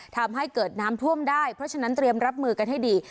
ทำให้เกิดน้ำท่วมได้เพราะฉะนั้นเตรียมรับมือกันให้ดี